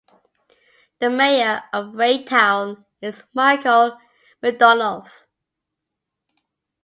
The mayor of Raytown is Michael McDonough.